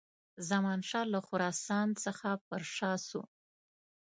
زمانشاه له خراسان څخه پر شا سو.